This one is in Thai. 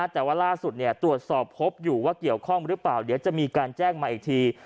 แต่ว่าล่าสุดตรวจสอบพบอยู่ว่าเกี่ยวข้องหรือเปล่าเดี๋ยวจะมีการแจ้งมาอีกที